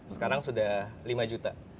sekarang sudah lima juta